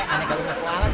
aneh kalau di belakang